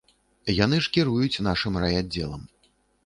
Яны ж кіруюць нашым райаддзелам.